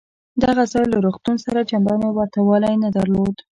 دغه ځای له روغتون سره چندانې ورته والی نه درلود.